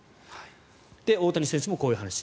大谷選手もこういう話。